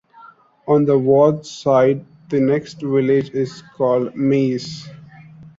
On the Vaud side, the next village is called Mies.